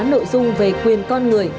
nội dung về quyền con người